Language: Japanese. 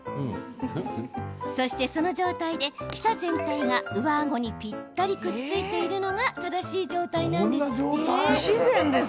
そして、その状態で舌全体が上あごにぴったり、くっついているのが正しい状態なんですって。